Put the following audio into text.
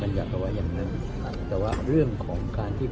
ในสมาธิการสาธารณ์เขาไปดูข้อบทศาสตร์ที่นี่